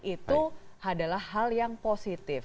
itu adalah hal yang positif